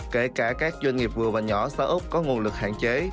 kể cả các doanh nghiệp vừa và nhỏ xa úc có nguồn lực hạn chế